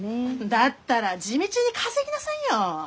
だったら地道に稼ぎなさいよ！